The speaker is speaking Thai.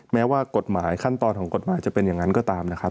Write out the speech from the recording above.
แม้ว่ากฎหมายขั้นตอนของกฎหมายจะเป็นอย่างนั้นก็ตามนะครับ